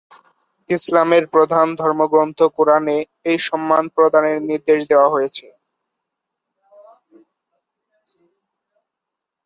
ইসলামের প্রধান ধর্মগ্রন্থ কুরআনে এই সম্মান প্রদানের নির্দেশ দেয়া হয়েছে।